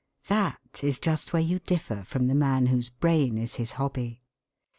That is just where you differ from the man whose brain is his hobby.